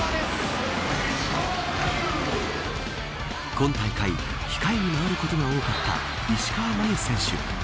今大会控えに回ることが多かった石川真佑選手。